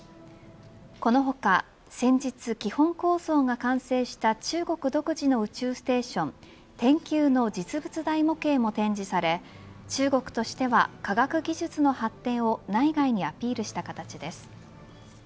この他、先日基本構造が完成した中国独自の宇宙ステーション天宮の実物大模型も展示され中国としては科学技術の発展を内外にアピールした形です